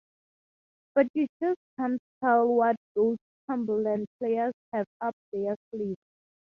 But you just can't tell what those Cumberland players have up their sleeves.